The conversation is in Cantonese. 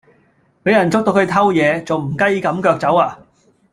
比人捉到佢偷野，仲唔雞咁腳走呀